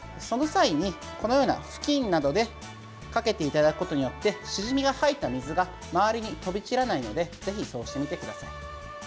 その際に、このような布巾などでかけていただくことによってシジミが吐いた水が周りに飛び散らないのでぜひ、そうしてみてください。